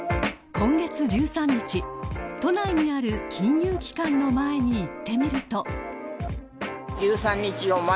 ［今月１３日都内にある金融機関の前に行ってみると］